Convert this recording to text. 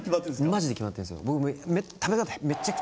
マジで決まってるんですよ